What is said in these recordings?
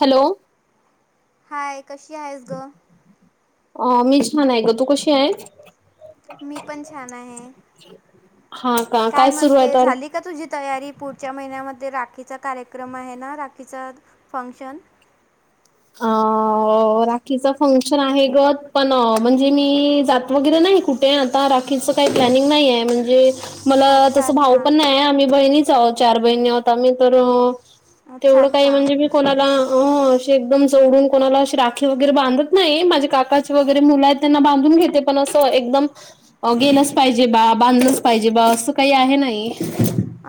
Hello. Hi कशी आहेस गं? आं मी छान आहे गं तू कशी आहे? मी पण छान आहे हा का काय सुरू आहे म्हणते तर झाली का तुझी तयारी पुढच्या महिन्यामध्ये राखीचा कार्यक्रम आहे ना राखीचां फंक्शन [inaudible] अ राखीचा फंक्शन आहे गं पण म्हणजे मी जात वगैरे नाही कु ते आता राखीच काही प्लॅनिंग नाही आहे म्हणजे मला अच्छा तसं अच्छा भाऊ पण नाही आम्ही बहिणीच आहोत चार बहिणी आहोत आम्ही तर अच्छा तेवढं काही अच्छा म्हणजे मी कोणाला [unintelligible] जे एकदम जोडून कोणाला अशी राखी वगैरे बांधत नाही माझे काकाचे वगैरे मुलं आहेत त्यांना बांधून घेते पण असं एकदम गेलंच पाहिजे बा बांधलंच पाहिजे बा असं काही आहे नाही.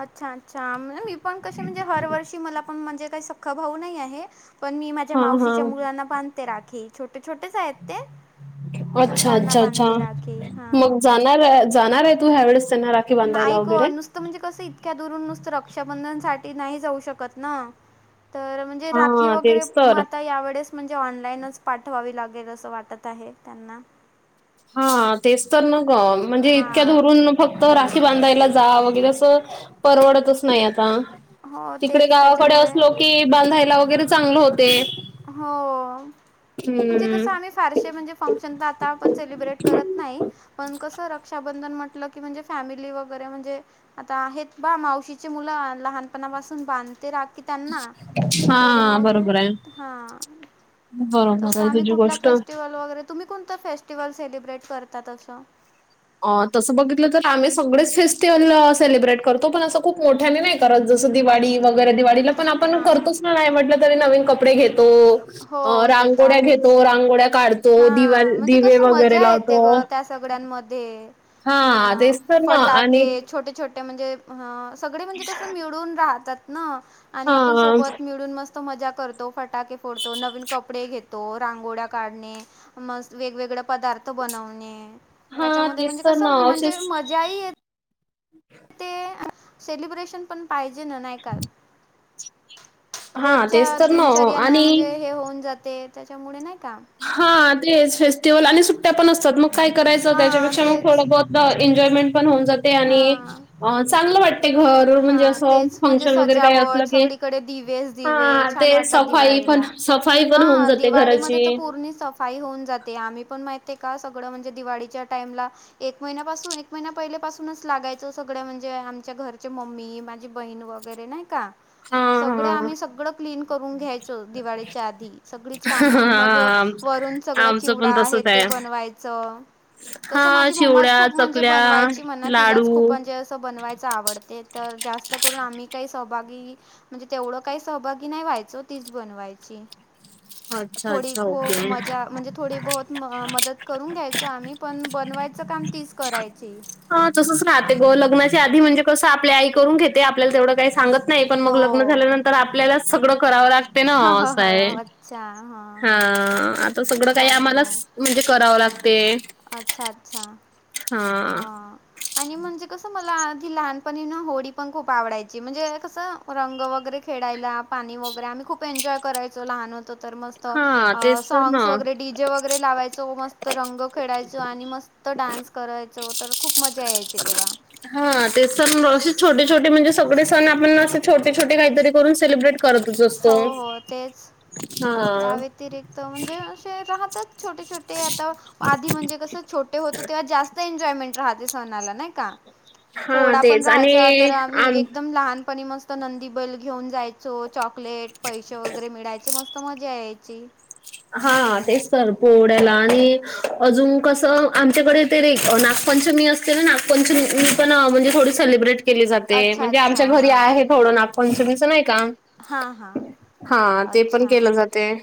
अच्छा अच्छा मी पण कशे म्हणजे हर वर्षी मला पण म्हणजे काही सख्खा भाऊ नाही आहे पण मी माझ्या हा मावशीच्या हा मुलांना बांधते राखी छोटे छोटेच आहेत ते. तर अच्छा त्यांना अच्छा अच्छा बांधते राखी हां मग जाणार जाणार आहे तू ह्यावेेळेस त्यांना रा नाही ग, नुसतं म्हणजे कसं इतक्या दुरून नुसतं रक्षाबंधन साठी नाही जाऊ शकत ना? तर म्हणजे राखी हां वगैरे तेच म तर. आता यावेेळेस म्हणजे ऑनलाईनच पाठवावी लागेल असं वाटत आहे त्यांना. हा तेच तर न ग म्हणजे हां इतक्यादुरून फक्त राखी बांधायला जा वगैरे असं परवडतच नाही आता. हो तिकडे तेच गावाकडे त्याच्यामुळे असलो की बांधायला वगैरे चांगलं होते. हो म्हणजे हम्म. कस आम्ही फारसेे म्हणजे फंक्शन तर आता आपण सेलिब्रेट करत नाही. पण कसं रक्षाबंधन म्हटलं की म्हणजे फॅमिली वगैरे म्हणजे आता आहेत बा मावशीचे मुलं लहानपणापासून बांधते राखी. की त्यांना तर हां मग बरोबर आहे. तस बरोबर आहे आम्ही तुझी कुठला गोष्ट. फेस्टिवल वगैरे, तुम्ही कोणत फेस्टिवल सेलिब्रेट करतात तसं? अ -तसं बघितलं तर आम्ही सगळेच फेस्टिवल सेलिब्रेट करतो पण असं खूप मोठ्याने नाही. परत जस दिवाळी, वगैरे दिवाळीला पण आपण हां हां करतोच ना आपण नाही म्हटलं तरी नवीन कपडे घेतो. अ हो ते तर -रांगोळ्या आहेच. घेतो, रांगोळ्या काढतो, दिवा हां म्हणजे दिवे कसं वगैरे मजा येते लावतो. गं त्या सगळ्यांमध्ये अ हां, तेच तर ना आणि फटाके छोटे छोटे म्हणजे सगळे म्हणजे कस मिळून राहतात ना आणि आपण हां, सोबत मिळून मस्त मस्त मजा करतो, फटाके फोडतो, नवीन कपडे घेतो रांगोळ्या काढणे मस्त वेगवेगळे पदार्थ बनवणे हां, त्याच्यामध्ये तेच म्हणजे तर कसं ना म्हणजे असेच मजा ही येत [inaudible] सेलिब्रेशन पण पाहिजे ना, नाही का? हां, रोजच्या तेच तर ना दिनचर्याने आणि म्हणजे हे होऊन जाते त्याच्यामुळे नाही का? हा, तेच फेस्टिवल आणि सुट्ट्या पण असतात मग काय करायचं हां त्याच्यापेक्षा मग तेच थोडं बहोत एन्जॉयमेंट पण होऊन जाते आणि हां चांगलं वाट ते घर म्हणजे हां असं तेच म्हणजे फंक्शन वगैरे काही असलं सजावट की सगळीकडे दिवेच दिवे हा छान ते वाटतात सफाई पण दिवाळीला सफाई पण होऊन जाते घराची. काही होऊन जाते आम्ही पण माहितेका सगळं म्हणजे दिवाळीच्या टाईमला एक महिन्यापासून, एक महिना पहिल्यापासूनच लागायचं सगळं म्हणजे आमच्या घर माझी मम्मी, माझी बहीण वगैरे नाही का? हां, सगळं हां. आम्ही सगळं क्लीन करून घ्यायचो दिवाळीच्या आधी सगळीच कामं आणि मग हां, वरून सगळ आमचं पण चिवडा, हे तसंच ते आहे. बनवायचं. तसं हां, माझी मम्माच चिवड्या, खूप म्हणजे चकल्या, बनवायची म्हणा तिलाच लाडू खूप म्हणजे असं बनवायचं आवड. ते तर जास्त करून आम्ही काही सहभागी म्हणजे तेवढं काही सहभागी नाही व्हायचो तीच बनवायची. अच्छा, थोडी अच्छा. खूप ओके. मजा म्हणजे थोडी बहुत मदत करून घ्यायच आम्ही पण बनवायचं काम तीच करायची. आ -तसंच राहते ग, लग्नाची आधी म्हणजे कस आपली आई करून घेते, आपल्याला तेवढं काही सांगत नाही पण मग हो लग्न झाल्यानंतर आपल्यालाच सगळं करावं लाग ते ना हो हो असंय, हो अच्छा हां हा, आता सगळं काही चांगलं आम्हालाच आहे म्हणजे करावं लागते. अच्छा अच्छा. हा आणि म्हणजे कसं म मला आधी लहानपणीन होळी पण खूप आवडायची म्हणजे कसं रंग वगैरे खेळायला पाणी वगैरे आम्ही खूप एन्जॉय करायचो लहान होतं तर मस्त. हां, तेच तर ना. सँ्ग्स वगैरे डी जे वगैरे लावायचो, मस्त रंग खेळायचो. आणि मस्त डान्स कराय तर खूप मजा यायची तेव्हा. हा तेच सण असे छोटे छोटे म्हणजे, सगळे सण आपण असे छोटे छोटे काहीतरी करून सेलिब्रेट. करतच हो असतो. हो तेच या हां. व्यतिरिक्त म्हणजे असे राहत्यात. छोटे छोटे आता आधी, म्हणजे कसं छोटे होते तेव्हा जास्तं. ते एन्जॉयमेंट राहते, सणाला नाही का. हां, पोडा पण तेच आणि राहायचा तर आम्ही. आम एकदम लहानपणी म तर नंदी बैल घेऊन जायचो. चॉकलेट पैसे वगैरे मिळायचे मस्त मजा यायची. हा तेच तर पोहड्याला आणि, अजून कसं आमच्याकडे. तेे नागपंचमी असतील ना, नागपंचमी पण म्हणजे थोडी सेलिब्रेट. केली जाते अच्छा म्हणजे, आमच्या अच्छा घरी हां आहे थोडं नागपंचमीचं नाही का. हां हां हा ते पण अच्छा केलं जाते.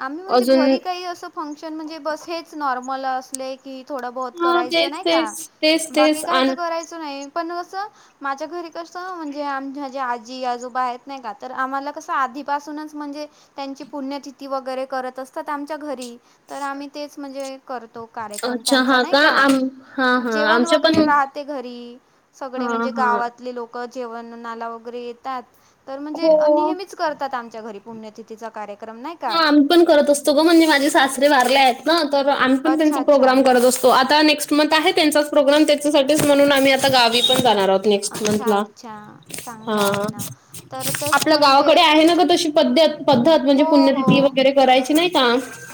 आम्ही म्हणजे अजून घरी काही असं, फंक्शन म्हणजे हेच नॉर्मल असले की. थोडं बहुत हा करायचं तेच नाही का, तेच तेच बाकी तेच काही तर आणि करायचं नाही पण असं. माझ्या घरी कसं म्हणजे आम माझे आजी आजोबा आहेत नाही का तर, आम्हाला कसं आधीपासूनच म्हणजे. त्यांची पुण्यतिथी वगैरे करत असतात. आमच्या घरी तर आम्ही तेच म्हणजे, करतो कार्यक्रम अच्छा त्यांचा हा नाही का, आम हा हा जेवण आमच्या पण वगैरे राहते घरी. सगळे हा म्हणजे हा गावातली लोकं जेवण नाला वगैरे येतात तर म्हणजे हो नेहमीच. करतात आमच्या घरी पुण्यतिथीचा कार्यक्रम नाही. का हा आम्ही पण करत असतो गं, म्हणजे माझे सासरे वारले आहेत. ना तर आम्ही पण अच्छा त्यांचा प्रोग्राम अच्छा करत असतो, आता नेस्ट. मत आहे त्यांचाच प्रोग्राम त्यांच्यासाठीच म्हणून, आम्ही आता गावी पण जाणार आहोत. नेस्ट अच्छा मंधला अच्छा चांगलं आहे ना तर तेच आपल्या म्हणजे गावाकडे आहेना गं तशी. प पद्धत म्हणजे हो हो पुण्यतिथी वगैरे करायची नाही का.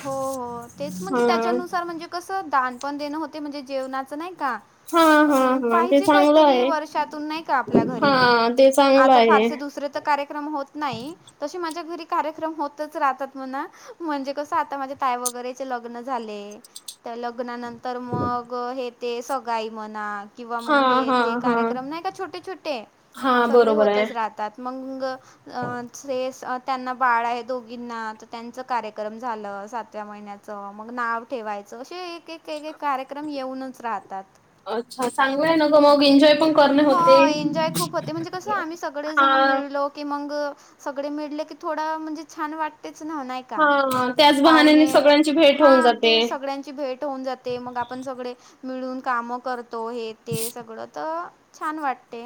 हो हो तेच म्हणजे हां. त्याच्यानुसार म्हणजे, कसं दान पण देणं होते म्हणजे जेवणाचं नाही का. हां, हां, हां. ते पाहिजे चांगलं काहीतरी आहे. वर्षातून नाही का, आपल्या घरी हां, ते चांगलं आता आहे. फारसे दुसरे. त कार्यक्रमास होतंच नाही. तशी कार्यक्रम माझ्या घरी होतंच राहतात म्हणा म्हणजे कसं. आता माझे ताय वगैरेचे लग्न झाले. त्या लग्नानंतर मग हे ते सगाई म्हना. किंवा मग हे हां, हां, ते हां. कार्यक्रम नाही का, छोटे छोटे हां, सगळे बरोबर आहे. होतंच राहतात मगं. अ ते त्यांना बाळ आहे दोघींना, तर त्यांच कार्यक्रम. झालं सातव्या महिन्याचं मग नाव ठेवायचं, एक एक एक एक कार्यक्रम येवूनचं राहतात. अच्छा चांगलंय ना गं, मग एन्जॉय पण. करणे होते. हा एन्जॉय खूप होते म्हणजे कसं, आम्ही सगळेजण हां, मिळलो. की मगं सगळे मिळले की, थोडं म्हणजे छान वाटतेच ना ना हां. त्याच बहाण्याने पावणे सगळ्यांची भेट होऊन हा जाते. ते सगळ्यांची भेट. तो होऊन जाते मगं, आपण सगळे मिळून काम करतो हे ते सगळं तर. छान वाटते.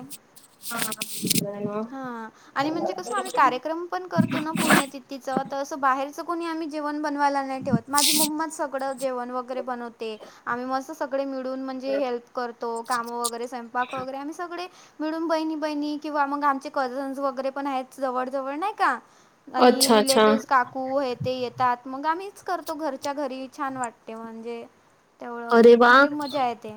[unintelligible] हा आणि म्हणजे कसं आम्ही, कार्यक्रम पण करतो ना पुण्यातिथ तिचं तसं बाहेरचं कोणी आम्ही, जेवण बनवायला नाही ठेवत माझी मम्माच सगळं. तिकडं जेवण वगैरे बनवते. आम्ही मस्त सगळे मिळून म्हणजे, हेल्प करतो काम वगैरे स्वयंपाक वगैरे आम्ही सगळे. मिळून बहिणी बहिणी किंवा मग, आमचे कझन्स वगैरे पण आहेत जवळ जवळ नाही का. आणि अच्छा अच्छा रिलेटिव्हज काकू हे ते येत. तात मग आम्हीच करतो घरच्या घरी छान वाटते म्हणजे तेवळक अरे वा म्हणजे मजा येते.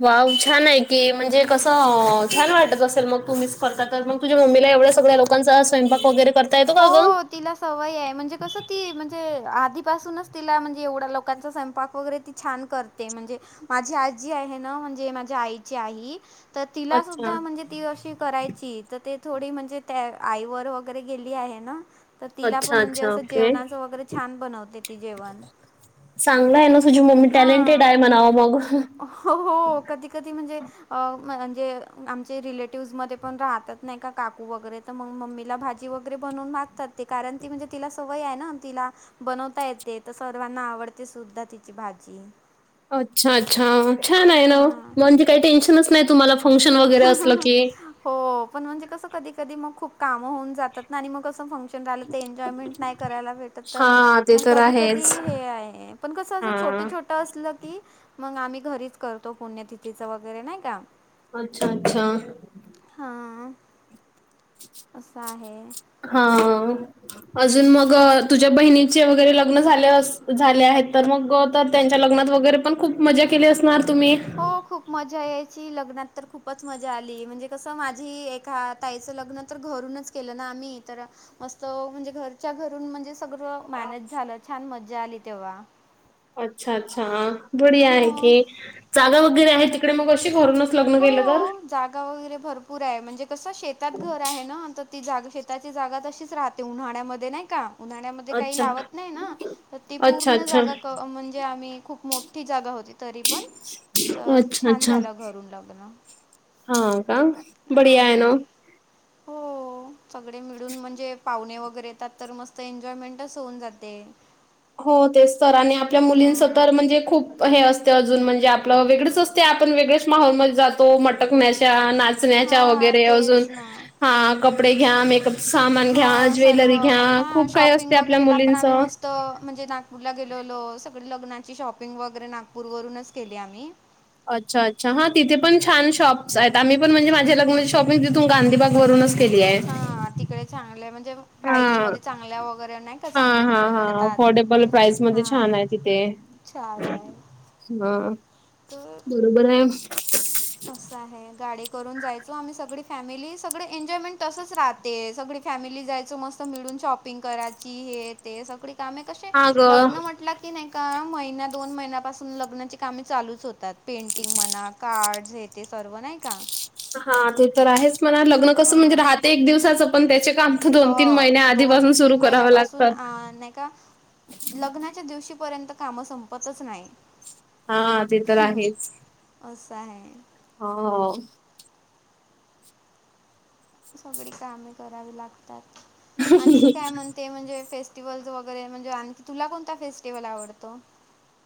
वाव छान आहे की म्हणजे कसं छान वाटत असेल मग तूमिस करता तर मग. तुझ मम्मीला एवढ्या सगळ्याचां स्वंपाक वगैर करता येतो का गं? हो तिला सवय आहे, म्हणजे कसं ती म्हणजे आधीपासूनच तिला म्हणजे एवढ्या लोकांचा स्वयपाक वगैरे ती छान करते म्हणजे माझी आजी आहे ना म्हणजे माझ्या आईची आई. तर तिला अच्छा सुद्धा म्हणजे ती अशी करायची, तर ते थोडी म्हणजे त्या आईवर वगैरे गेली आहे ना, तर तिला पण अच्छा म्हणजे अच्छा असं जेवणाचं वगैरे छान बनवते. ती जेवण चांगल आहे ना तुझी मम्मी टॅलेंटेड हां आहे म्हणाव मग. हो हो कधी कधी म्हणजे अ म्हणजे आमचे रिलेटिव्हज मध्ये पण राहतात नाही का काकू वगैरे तर मग मम्मीला भाजी वगैरे बनवून मागतात ते, कारण ती म्हणजे तिला सवय आहे ना तिला बनवता येते तर सर्वांना आवडते सुद्धा तिची भाजी. अच्छा अच्छा छान आहे ना वो, हां. म्हणजे काही टेन्शनच नाही तुम्हाला फंक्शन वगैरे असलं की. हो पण म्हणजे कस कधी कधी मग खूप काम होऊन जातात ना आणि मग असं फंशन लं ते एनजॉयमेंट नाही करायला भेटत. हा ते मग तर कधी कधी आहेच हे आहे पण कसं असं हा छोट्या छोटे असलं की मग आम्ही घरीच करतो पुण्यतिथीच वगैरे नाही का. अच्छा अच्छा. हां. असं आहे. हा. अजून मग तुझ्या बहिणीचे वगैरे लग्न झा- झाले आहेत तर मग त्यांच्या लग्नात वगैरे पण खूप मजा केली असणार तुम्ही? हो खूप मजा यायची, लग्नात तर खूपच मजा आली म्हणजे कसं माझी एका ताईचं लग्न तर घरूनच केलं ना आम्ही तर मस्त म्हणजे घरच्या घरून म्हणजे सगळं मॅनेज झालं छान मजा आली तेव्हा. [inaudible] अच्छा अच्छा, बढिया हो आहे की जागा वगैरे आहे तिकडे मग अशी घरूनच. लग्न हो केलं तर? जागा वगैरे भरपूर आहे, म्हणजे कसं शेतात घर आहे ना ती जागा शेताची जागा तशीच राहते उन्हाळ्यामध्ये नाही का, उन्हाळ्यामध्ये काही अच्छा लावत नाही ना. तर ती अच्छा पूर्ण अच्छा जागा म्हणजे आम्ही खूप मोठी जागा होती तरी पण‌. तर अच्छा छान अच्छा. झालं घरून ल हा का बडिया आहे हां ना. हो सगळे मिळून म्हणजे पाहुणे वगैरे येतात. तर मस्त एन्जॉयमेंटच होऊन जाते. हो तेच तर आणि आपल्या मुलींच हां. तर म्हणजे खूप हे असते अजून म्हणजे आपलं वेगळेच असते आपण वेगळेच माहोलमध्ये जातो, मटक म्याश ना चण्या हां. वगैरे अजून तेच ना. हा कपडे घ्या, मेकअप सामान घ्या, हां. सर्व ज्वेलरी घ्या, खूप काही असते आपल्या मुलींचं. त म्हणजे नागपूरला गेलो होलो, सगळ लग्नाची शॉपिंग वगैरे नागपूर वूनच केली आम्ही. अच्छा अच्छा, हा तिथ पन छान शॉप्स आहेत, आम्ही पण म्हणजे माझे लग्नाचे शॉपिंग तिथून गांधी भाग वरूनच केलीये. हा तिकडे चांगलं आहे म्हण प्राईसमध्ये चांगल्या वगैरे नाही का हा चांगले हा कपडे हा मिळतात अफोर्डेबल प्राईस मध्ये छान हा. चालेल. ह -बरोबरय. असं आहे, गाडी करून जायचो आम्ही सगळी फॅमिली सगळे एन्जॉयमेंट तसंच राहत. ते सगळी फॅमिली जायच मस्त मिळून शॉपिंग करायची हे ते सगळी. त आम्ही कसे हा ग लग्न म्हंटलं की की नाही का महिना दोन महिन्यापासून लग्नाची कामे चालूच होतात पेंटिंग म्हणा, कार्ड हे, ते सर्व नाही का? हा, ते तर आहेच. मला लग्न कसं म्हणजे हां राहते एक दिवसाचं पण त्याचे काम त दोन तीन महिन्या आधीपासून सुरु करावं लागत. पण आ नाही का, लग्नाच्या दिवशीपर्यंत काम संपतच नाही. हा, ते तर आहेच. असं आहे. हो सगळी कामे करावी लागतात, आणखी काय म्हणते म्हणजे फेस्ट फेस्टिवल् [unintelligible] वगैरे म्हणजे आणखी तुला कोणता फेस्टिवल आवडतो?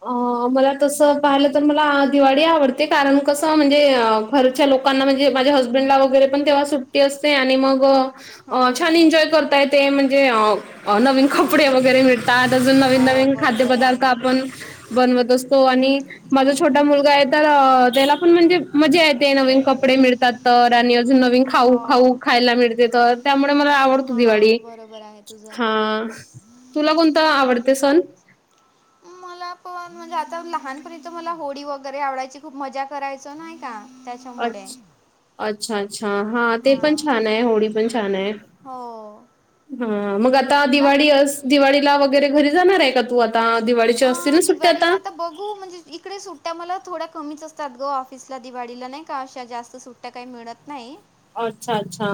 अ- मला तसं पाहिलं तर मला अ दिवाळी आवडते कारण कसं म्हणजे अ घरच्या लोकांना म्हणजे माझ्या हजबंडला वगैरे पण तेव्हा सुट्टी असते आणि मग अ हं -छान हं एन्जॉय करता यतय म्हणजे अ अ -नवीन कपडे हं वगैरे भेटतात, अजून नवीन हो नवीन बरोबर खाद्यपदार्थ आहे. आपण बनवत असतो. तो आणि माझा छोटा हं मुलगा आहे तर, त्याला पण म्हणजे मजा येते नवीन कपडे मिळत त -तर आणि अजून नवीन खाऊ खाऊ हो खायला मिळते तर त्यामुळे मला आवडतो दिवाळी. नाय तुझा हा [unintelligible] तुला कोणता आवडत सण? मला पण, म्हणजे आता लहानपणी त मला होळी वगैरे आवडायची खूप मजा करायचं नाही का? त्याच्यामुळे अच, अच्छा, अच्छा हा ते पण हां छान आहे होळी पण छान आहे. हो हा, मग आता तुला? दिवाळी अस दिवाळीला वगैरे घरी जाणार आहे का तू आता? त दिवाळी अ -दिवाळीला आता बघू म्हणजे इकडे सुट त मला थोड्या कमीच असतात ग ऑफिसला दिवाळीला नाही का अशा जास्त सुट्ट्या काही मिळत नाही. अच्छा अच्छा.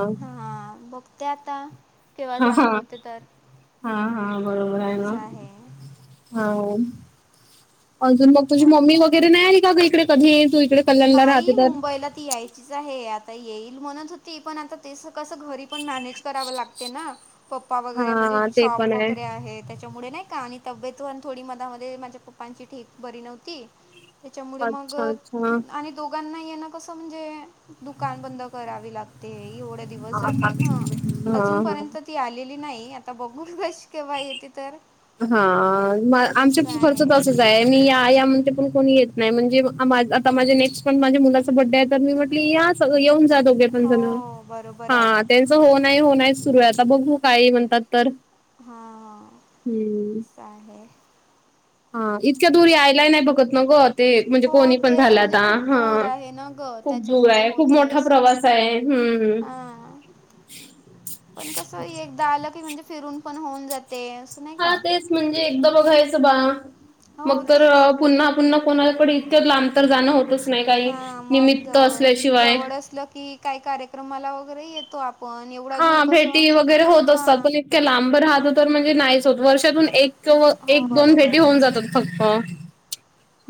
ते आता केव्हा ह -ह जाणं होते तर -हा हा बरोबर आहे ना. हा -ओ -अजून मग तुझी चांगलं मम्मी आहे वगैरे नाही आली का ग इकडे कधी तू इकडे? कल्याणला राहते नाही तर? मुंबईला ती याय [unintelligible] आता येईल म्हणत होती पण आता तेच कस घरी पण मॅनेज कराव लागते ना? पप्पा वगैरे म्हणजे हां, ते पण शॉप आहे. वगैरे आहेत. त्याच्यामुळे नाही का आणि तब्येत पन थोडी मधमध्ये माझ्या पप्पांची ठीक बरी नव्हती. त्याच्यामुळे मग अच्छा, अच्छा. आणि दोघांना येण कसं म्हणजे दुकान बंद करावी लागते एवढ दिवस हां, जात ना अजून हां. पर्यंत ती आलेली नही आता बघू कशी केव्हा येते तर. हा म आमच्या असं पण घरच आहे तसच मी या या म्हणते पण कोणी येत नाही म्हणजे आता माझे नेक्स्ट पण माझ्या मुलाच बर्थडे आहे तर मी म्हटल या. सगळे येऊन जा दोघे पण जण हो बरोबर आहे हा तेच. त हो नाही हो नाही सुरू आहे आता बघू काय म्हणतात तर हा. [unintelligible] ते म्हणजे हो कोणी पण तेच झाला म्हणजे आता, खूप दूर आहे ना गं खूप दूर त्याच्यामुळे आहे खूप होते मोठा असं प्रवास. काय हम्म. हां पण कसं एकदा आलं की म्हणजे, फिरून पण होऊन जाते. नाही हा का तेच म्हणजे, एकदा बघायचं बा हो मग तर. तेच पुन्हा पुन्हा कोणाकडे इथे लांब तर जाणं होतंच. हा मंग जवळ असलं की, काय कार्यक्रमाला वगैरे येत. तो आपण येऊ. हा भेटी वगैरे होत असतात. पण इतक्या लांब राहत तर म्हणजे नाहीच होत वर्ष. त्यांतून एक कव हो एक दोन बरोबर भेटी आहे होऊन जातात फक्तं.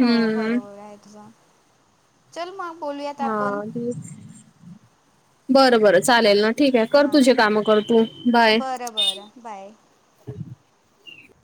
हो बरोबर आहे तुझं, चल मग बोलूया. हा तेच. बर बर चालेल ना ठीक आहे, कर तुझे काम कर तू बाय. बर बर बाय.